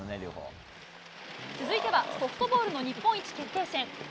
続いてはソフトボールの日本一決定戦。